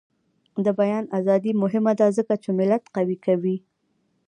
د بیان ازادي مهمه ده ځکه چې ملت قوي کوي.